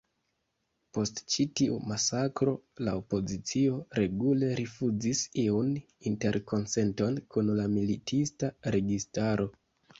Post ĉi tiu masakro la opozicio regule rifuzis iun interkonsenton kun la militista registaro.